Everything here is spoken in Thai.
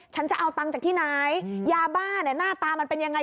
ฉันจะเอาตังค์จากที่ไหนยาบ้าเนี่ยหน้าตามันเป็นยังไง